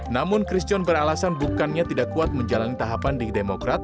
namun christian beralasan bukannya tidak kuat menjalani tahapan di demokrat